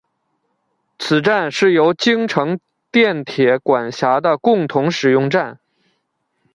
此站是由京成电铁管辖的共同使用站。